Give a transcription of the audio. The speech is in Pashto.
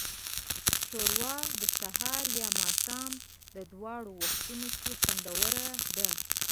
ښوروا د سهار یا ماښام دواړو وختونو کې خوندوره ده.